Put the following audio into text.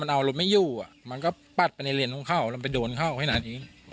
มันเอารถไม่ยู่อ่ะมันก็ปัดไปในเรนของเขาแล้วไปโดนเข้าข้างหน้านี้